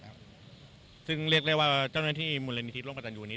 หรือเรียกเลยว่าเจ้าหน้าที่มูลละนิษฐีโล่งประชาชูอันนี้